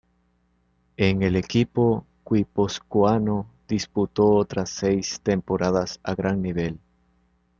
En el equipo guipuzcoano disputó otras seis temporadas a gran nivel.